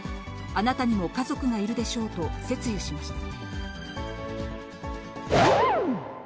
あなたにも家族がいるでしょうと、説諭しました。